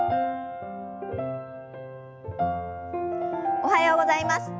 おはようございます。